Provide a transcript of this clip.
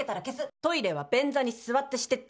トイレは便座に座ってしてって